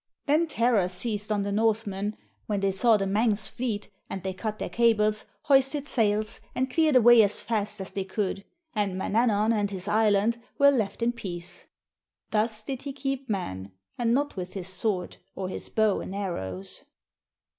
Then terror seized on the Northmen when they saw the Manx fleet, and they cut their cables, hoisted sails, and cleared away as fast as they could, and Manannan and his island were left in peace. Thus did he keep Mann, and not with his sword, or his bow and arrows.